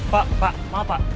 pak pak maaf pak